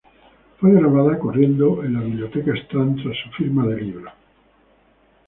Fue grabada corriendo en la biblioteca Strand tras su firma de libros.